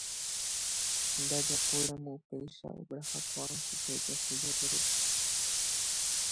Ndojapóiramo upéicha oguerahakuaa chupe Jasy Jatere.